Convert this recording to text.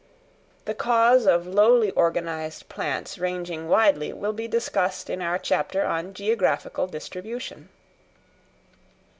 The cause of lowly organised plants ranging widely will be discussed in our chapter on Geographical Distribution.